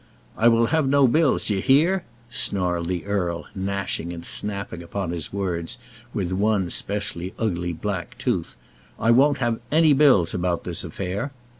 "I will have no bills, d'ye hear?" snarled the earl, gnashing and snapping upon his words with one specially ugly black tooth. "I won't have any bills about this affair."